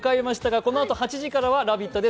このあと８時からは「ラヴィット！」です。